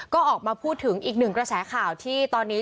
ก็ออกมาพูดถึงอีกหนึ่งกระแสข่าวที่ตอนนี้